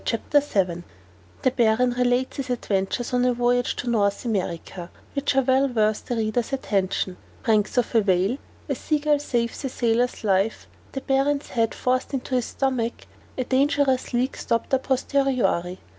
_ CHAPTER VII _The Baron relates his adventures on a voyage to North America, which are well worth the reader's attention Pranks of a whale A sea gull saves a sailor's life The Baron's head forced into his stomach A dangerous leak stopped à posteriori.